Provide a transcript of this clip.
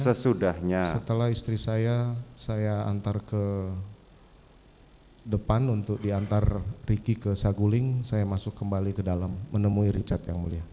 setelah istri saya saya antar ke depan untuk diantar ricky ke saguling saya masuk kembali ke dalam menemui richard yang mulia